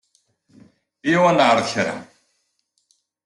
Eyya-w ad naɛṛeḍ kra.